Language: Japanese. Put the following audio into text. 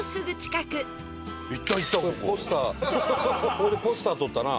ここでポスター撮ったな。